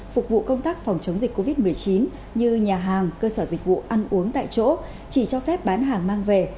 phục vụ công tác phòng chống dịch covid một mươi chín như nhà hàng cơ sở dịch vụ ăn uống tại chỗ chỉ cho phép bán hàng mang về